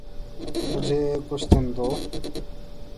مجھے کچھ دن دو۔